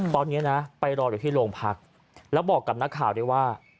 ตอนนี้นะไปรออยู่ที่โรงพักแล้วบอกกับนักข่าวได้ว่า